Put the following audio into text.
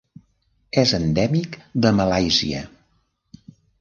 És endèmic de Malàisia.